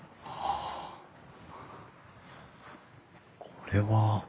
これは？